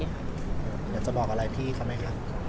อเจมส์อยากจะบอกอะไรพี่ค่ะแม่คะ